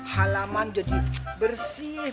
halaman jadi bersih